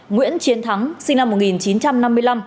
nguyễn chiến thắng sinh năm một nghìn chín trăm năm mươi năm